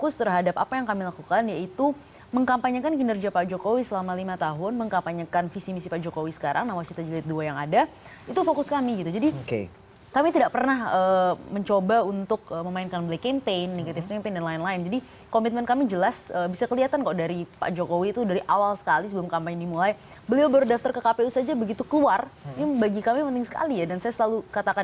jadi hanya bendera yang disediakan disana hanya yang disediakan oleh kpu gitu